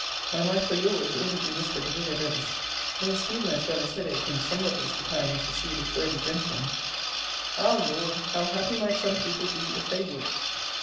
My life for your's, audibly whispered the widow Bevis, there is humour as well as head ache in somebody's declining to see this worthy gentleman. Ah, Lord! how happy might some people be if they would!